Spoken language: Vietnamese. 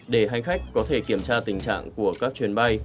để hành khách có thể kiểm tra tình trạng của các chuyến bay